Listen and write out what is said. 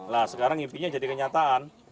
nah sekarang intinya jadi kenyataan